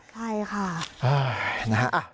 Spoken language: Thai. ใช่ค่ะ